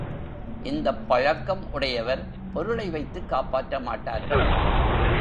இந்தப் பழக்கம் உடையவர் பொருளை வைத்துக் காப்பாற்றமாட்டார்கள்.